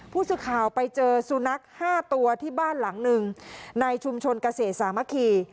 ผู้สื่อข่าวไปเจอสุนัข๕ตัวที่บ้านหลังหนึ่งในชุมชนเกษตรสามัคคี